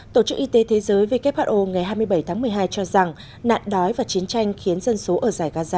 tổ chức y tế thế giới who ngày hai mươi bảy tháng một mươi hai cho rằng nạn đói và chiến tranh khiến dân số ở giải gaza